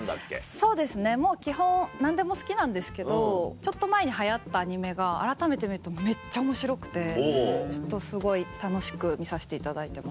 そうですねもう基本何でも好きなんですけどちょっと前に流行ったアニメがあらためて見るとめっちゃ面白くてちょっとすごい楽しく見させていただいてます。